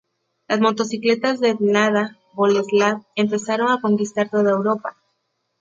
Las motocicletas de Mladá Boleslav empezaron a conquistar toda Europa.